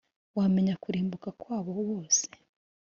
wamenya kurimbuka kwabo bose